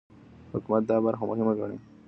حکومت دا برخه مهمه ګڼي.